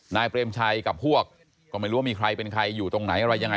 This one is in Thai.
เปรมชัยกับพวกก็ไม่รู้ว่ามีใครเป็นใครอยู่ตรงไหนอะไรยังไง